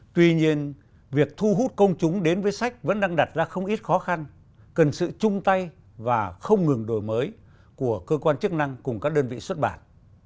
tuy nhiên việc thu hút công chúng đến với sách vẫn đang đặt ra không ít khó khăn cần sự chung tay và không ngừng đổi mới của cơ quan chức năng cùng các đơn vị xuất bản